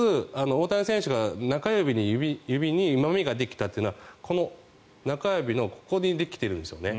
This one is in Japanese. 大谷選手が中指にまめができたというのは中指のここにできてるんですね。